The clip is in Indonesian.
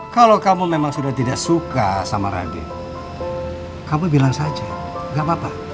kalau kamu memang sudah tidak suka sama raden kamu bilang saja gak apa apa